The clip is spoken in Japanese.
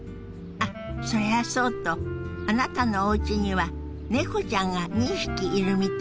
あっそれはそうとあなたのおうちには猫ちゃんが２匹いるみたいね。